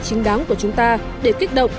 chính đáng của chúng ta để kích động